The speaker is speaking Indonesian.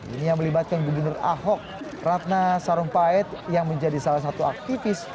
ini yang melibatkan gubernur ahok ratna sarumpait yang menjadi salah satu aktivis